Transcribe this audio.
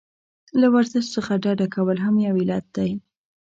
له ورزش څخه ډډه کول هم یو علت دی.